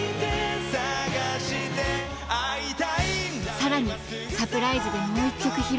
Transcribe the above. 更にサプライズでもう１曲披露。